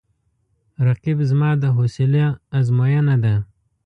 رقیب زما د حوصله آزموینه ده